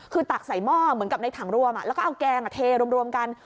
คือตักใส่หม้อเหมือนกับในถังรวมแล้วก็เอาแกงเทรวมกัน